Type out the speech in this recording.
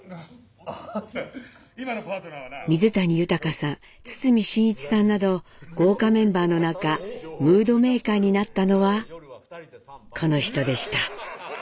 水谷豊さん堤真一さんなど豪華メンバーの中ムードメーカーになったのはこの人でした。